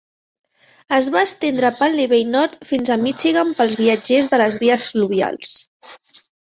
Es va estendre pel nivell nord fins a Michigan pels viatgers de les vies fluvials.